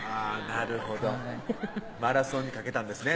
なるほどはいマラソンにかけたんですね